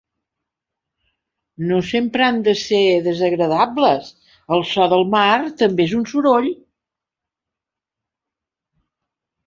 No sempre han de ser desagradables, el so del mar també és un soroll.